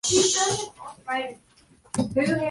In testicular agenesis, this process fails.